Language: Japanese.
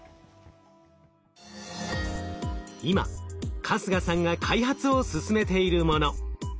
今春日さんが開発を進めているもの。